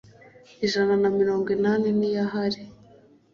ijana na mirongo inani niyo ahari